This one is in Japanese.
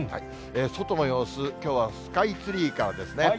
外の様子、きょうはスカイツリーからですね。